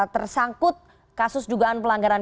tersangkut kasus dugaan pelanggaran